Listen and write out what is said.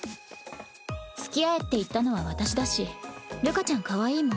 つきあえって言ったのは私だしるかちゃんかわいいもん。